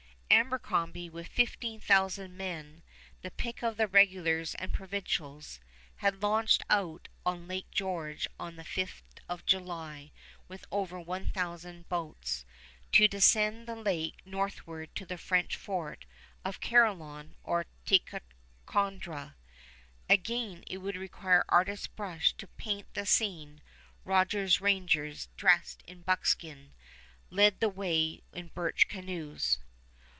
Abercrombie, with fifteen thousand men, the pick of the regulars and provincials, had launched out on Lake George on the 5th of July with over one thousand boats, to descend the lake northward to the French fort of Carillon or Ticonderoga. Again, it would require artist's brush to paint the scene. Rogers' Rangers, dressed in buckskin, led the way in birch canoes.